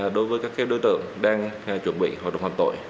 đối với các đối tượng đang